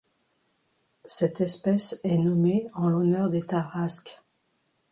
Cette espèce est nommée en l'honneur des Tarasques.